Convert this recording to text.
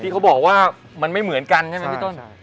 เขาบอกว่ามันไม่เหมือนกันใช่ไหมพี่ต้น